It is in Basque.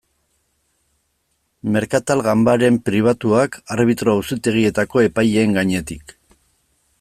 Merkatal ganbaren pribatuak arbitro auzitegietako epaileen gainetik.